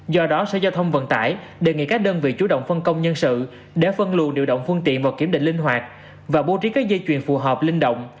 do đó sở giao thông vận tải đề nghị các đơn vị chủ động phân công nhân sự để phân luồng điều động phương tiện vào kiểm định linh hoạt và bố trí các dây chuyền phù hợp linh động